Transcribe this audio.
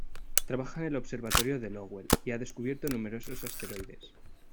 Trabaja en el observatorio Lowell y ha descubierto numerosos asteroides.